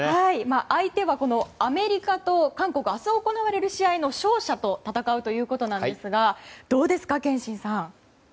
相手は、アメリカと韓国明日行われる試合の勝者と戦うということなんですがどうですか、憲伸さん。